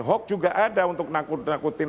hoax juga ada untuk nakut nakutin